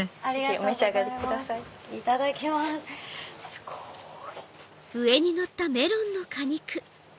すごい！